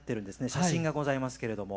写真がございますけれども。